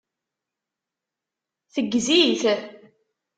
Teggez-it.